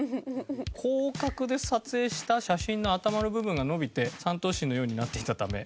「広角で撮影した写真の頭の部分が伸びて三頭身のようになっていたため」